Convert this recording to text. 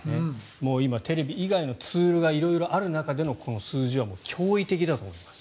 今、テレビ以外のツールが色々ある中でのこの数字は驚異的だと思います。